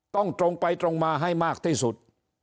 ตรงไปตรงมาให้มากที่สุด